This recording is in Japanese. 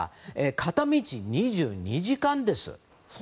片道２２時間です。